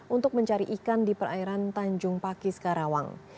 untuk mencari ikan di perairan tanjung paki sekarawang